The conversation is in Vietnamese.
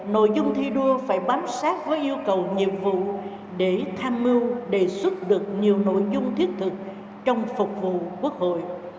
nội dung thi đua phải bám sát với yêu cầu nhiệm vụ để tham mưu đề xuất được nhiều nội dung thiết thực trong phục vụ quốc hội